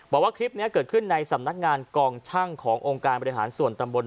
บอกว่าคลิปนี้เกิดขึ้นในสำนักงานกองช่างขององค์การบริหารส่วนตำบล